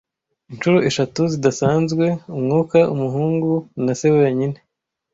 inshuro eshatu zidasanzwe umwuka umuhungu na se wenyine